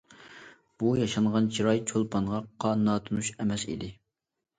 بۇ ياشانغان چىراي چولپانغا ناتونۇش ئەمەس ئىدى.